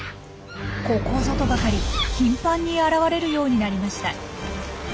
ここぞとばかり頻繁に現れるようになりました。